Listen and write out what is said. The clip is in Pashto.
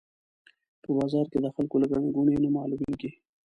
په بازار کې د خلکو له ګڼې ګوڼې نه معلومېږي.